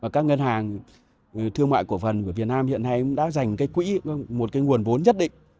các ngân hàng thương mại của phần việt nam hiện nay cũng đã dành một nguồn vốn nhất định